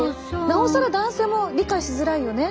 なおさら男性も理解しづらいよね。